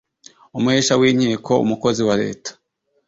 umuhesha w inkiko umukozi wa Leta